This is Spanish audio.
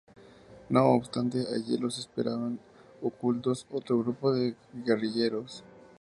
No obstante allí los esperaban ocultos otro grupo de guerrilleros.